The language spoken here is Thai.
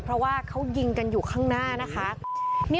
พวกมันต้องกินกันพี่